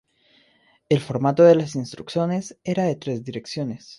El formato de las instrucciones era de tres direcciones.